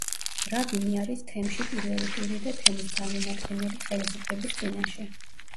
რაბინი არის თემში პირველი პირი და თემის წარმომადგენელი ხელისუფლების წინაშე.